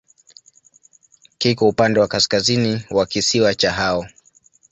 Kiko upande wa kaskazini wa kisiwa cha Hao.